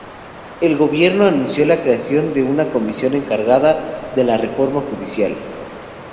El Gobierno anunció la creación de una comisión encargada de la "reforma judicial".